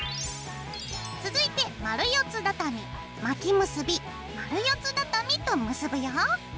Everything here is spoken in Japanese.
続いて丸四つだたみ巻き結び丸四つだたみと結ぶよ。